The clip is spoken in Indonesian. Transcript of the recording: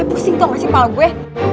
eh pusing tau gak sih pala gue